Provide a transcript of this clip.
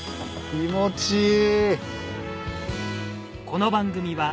気持ちいい！